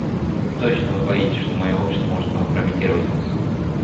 Точно вы боитесь, что мое общество может компрометировать вас.